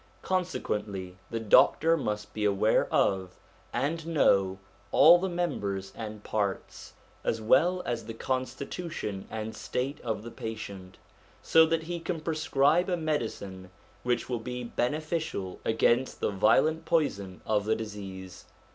Consequently the doctor must be aware of, and know, all the members and parts, as well as the constitution and state of the patient, so that he can prescribe a medicine which will be beneficial against the violent poison of the disease.